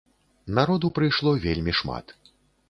Народу прыйшло вельмі шмат.